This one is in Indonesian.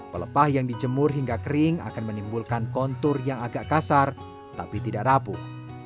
pelepah yang dijemur hingga kering akan menimbulkan kontur yang agak kasar tapi tidak rapuh